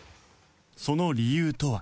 その理由とは